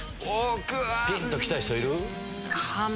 ピンと来た人いる？